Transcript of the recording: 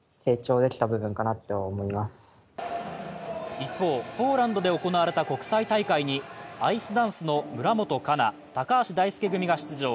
一方、ポーランドで行われた国際大会にアイスダンスの村元哉中・高橋大輔組が出場。